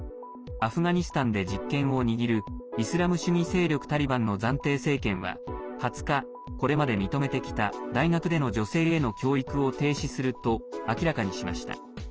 アフガニスタンで実権を握るイスラム主義勢力、タリバンの暫定政権は２０日これまで認めてきた大学での女性への教育を停止すると明らかにしました。